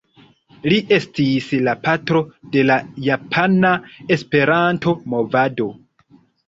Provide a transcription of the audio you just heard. Li estis la patro de la Japana Esperanto-movado.